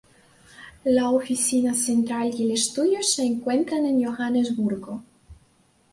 La oficina central y el estudio se encuentran en Johannesburgo.